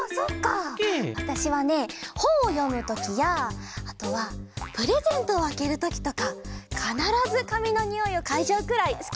わたしはねほんをよむときやあとはプレゼントをあけるときとかかならずかみのにおいをかいじゃうくらいすきなんだよ。